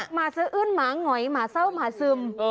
หมาสะอื้นหมาหงอยหมาเศร้าหมาซึม